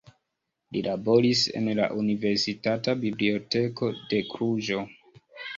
Li laboris en la Universitata Biblioteko de Kluĵo.